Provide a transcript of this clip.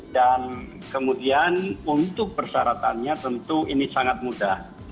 dan kemudian untuk persyaratannya tentu ini sangat mudah